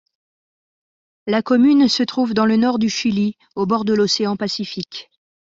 La commune se trouve dans le nord du Chili au bord de l'Océan Pacifique.